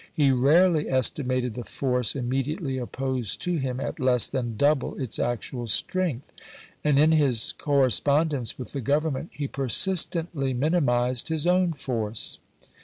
He rarely esti mated the force immediately opposed to him at less than double its actual strength, and in his corre spondence with the Government he persistently minimized his own force.